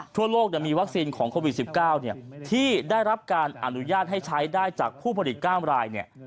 ทั่วโลกเนี้ยมีวัคซีนของโควิดสิบเก้าเนี้ยที่ได้รับการอนุญาตให้ใช้ได้จากผู้ผลิตก้ามรายเนี้ย